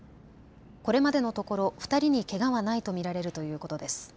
これまでのところ２人にけがはないと見られるということです。